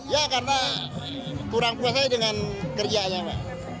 ya karena kurang perasaan dengan kerjanya